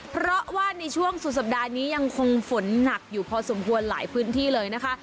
เพราะว่าในช่วงสุดสัปดาห์นี้ยังคงฝนหนักอยู่พอสมควรหลายพื้นที่เลยนะคะ